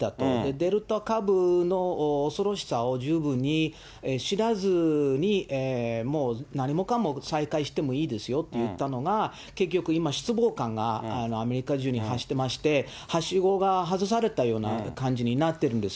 デルタ株の恐ろしさを十分に知らずに、もう何もかも再開してよいいですよと言ったのが、結局、今、失望感がアメリカ中に走ってまして、はしごが外されたような感じになってるんです。